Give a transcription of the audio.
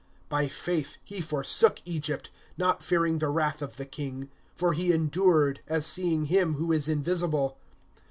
(27)By faith he forsook Egypt, not fearing the wrath of the king; for he endured, as seeing him who is invisible.